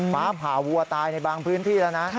ฟ้าผ่าวัวตายในบางพื้นที่แล้วนะ